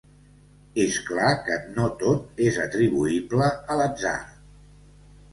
És clar que no tot és atribuïble a l'atzar.